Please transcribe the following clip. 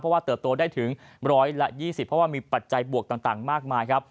เพราะว่าเติบโตได้ถึง๑๒๐เพราะว่ามีปัจจัยบวกต่างมากมายครับ